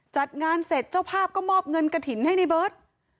จัดงานเสร็จเจ้าภาพก็มอบเงินกระถิ่นให้ในเบิร์ต